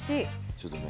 ちょっとね